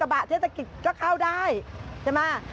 จะกว้างกว่ารถกระบะที่จะกิดก็เข้าได้ใช่มั้ย